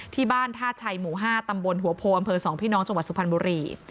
ที่บ้านท่าชัยหมู่๕ตำบลหัวโพอำเภอ๒พี่น้องจังหวัดสุพรรณบุรี